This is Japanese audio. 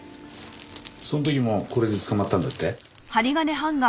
その時もこれで捕まったんだって？